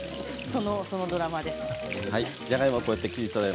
そのドラマです、はい。